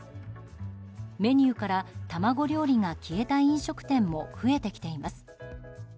メニューから卵料理が消えた飲食店も増えてきています。